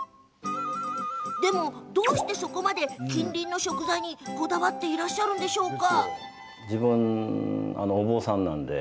でも、どうしてそこまで近隣の食材にこだわってらっしゃるんですか？